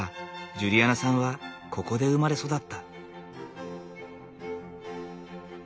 ジュリアナさんはここで生まれ育った。